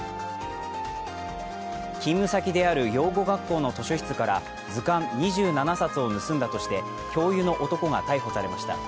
勤務先である養護学校の図書室から図鑑２７冊を盗んだとして教諭の男が逮捕されました。